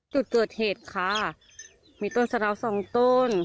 จุดเกิดเหตุค่ะมีต้นสะดาวสองต้น